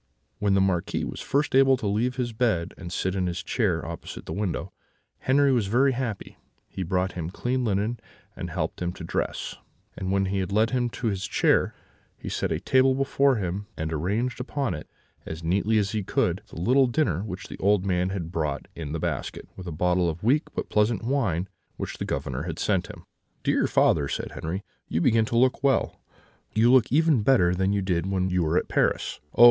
"When the Marquis was first able to leave his bed, and sit in his chair opposite the window, Henri was very happy: he brought him clean linen, and helped him to dress; and when he had led him to his chair, he set a table before him, and arranged upon it, as neatly as he could, the little dinner which the old man had brought in the basket, with a bottle of weak but pleasant wine which the Governor had sent him. "'Dear father,' said Henri, 'you begin to look well; you look even better than you did when you were at Paris. Oh!